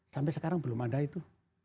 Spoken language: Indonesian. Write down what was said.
sampai sekarang belum ada itu